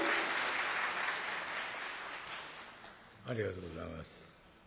ありがとうございます。